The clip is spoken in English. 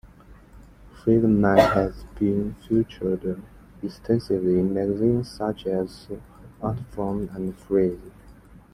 Friedman has been featured extensively in magazines such as Artforum and Frieze.